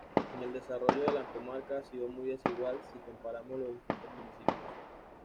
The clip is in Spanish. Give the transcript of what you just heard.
El desarrollo de la comarca ha sido muy desigual si comparamos los distintos municipios.